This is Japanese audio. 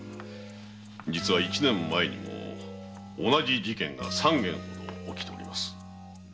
実は一年前にも同じ事件が三件ほど起きております。